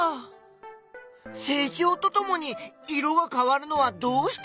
成長とともに色がかわるのはどうして？